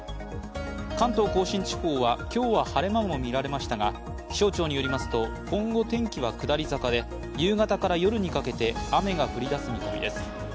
関東甲信地方は今日は晴れ間もみられましたが気象庁によりますと、今後、天気は下り坂で夕方から夜にかけて雨が降りだす見込みです。